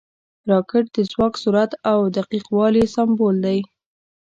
راکټ د ځواک، سرعت او دقیق والي سمبول دی